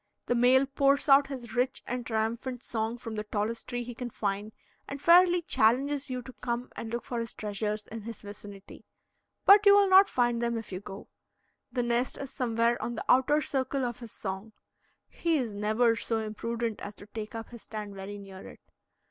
The male pours out his rich and triumphant song from the tallest tree he can find, and fairly challenges you to come and look for his treasures in his vicinity. But you will not find them if you go. The nest is somewhere on the outer circle of his song; he is never so imprudent as to take up his stand very near it.